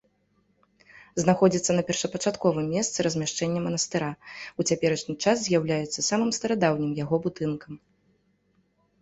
Знаходзіцца на першапачатковым месцы размяшчэння манастыра, у цяперашні час з'яўляецца самым старадаўнім яго будынкам.